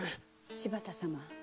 柴田様